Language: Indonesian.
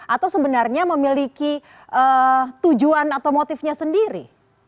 atau sebenarnya memiliki tujuan atau motifnya sendiri